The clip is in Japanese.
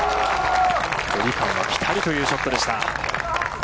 距離感はぴたりというショットでした。